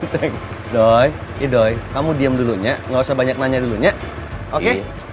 ceng doi idoi kamu diem dulunya nggak usah banyak nanya dulunya oke